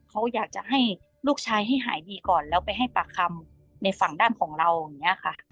เขาอยากจะให้ลูกชายให้หายดีก่อนแล้วไปให้ปากคำในฝั่งด้านของเราอย่างนี้ค่ะ